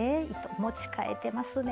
持ちかえてますね。